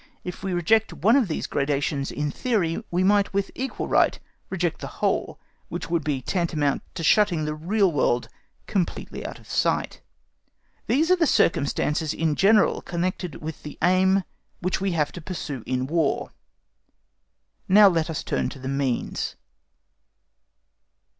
If we reject one of these gradations in theory, we might with equal right reject the whole, which would be tantamount to shutting the real world completely out of sight. These are the circumstances in general connected with the aim which we have to pursue in War; let us now turn to the means.